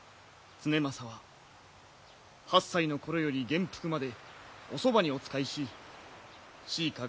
経正は８歳の頃より元服までおそばにお仕えし詩歌